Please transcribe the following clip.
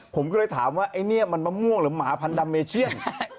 ผมก็เลยถามว่าไอ้นี่มันมะม่วงหรือหมาพันธัมเมเชียน